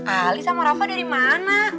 ali sama rafa dari mana